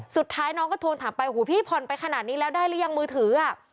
สุดท้ายน้องก็โทรถามไปผ่อนไปขนาดนี้แล้วได้รึยังมือถือ